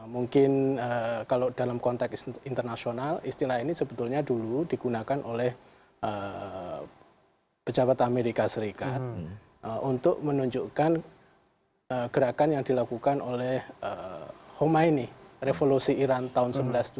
mungkin kalau dalam konteks internasional istilah ini sebetulnya dulu digunakan oleh pejabat amerika serikat untuk menunjukkan gerakan yang dilakukan oleh homa ini revolusi iran tahun seribu sembilan ratus tujuh puluh